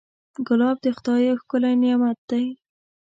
ګلاب د خدای یو ښکلی نعمت دی.